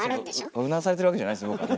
うなされてるわけじゃないですね